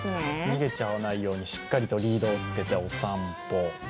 逃げちゃわないように、しっかりとリードをつけてお散歩。